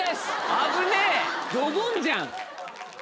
危ねぇドボンじゃん。